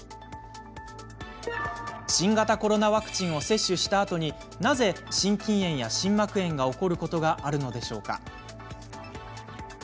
新型コロナワクチンを接種したあとになぜ心筋炎や心膜炎が起こることがあるのでしょうか。